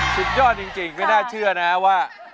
สุดยอดจริงไม่น่าเชื่อนะว่า